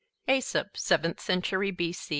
AESOP (Seventh Century B.